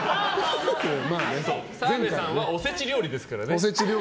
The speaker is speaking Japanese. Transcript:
澤部さんはおせち料理ですからね。